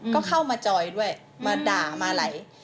ก็เข้ามาจอยด้วยมาด่ามาไหล